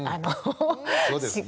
そうですね。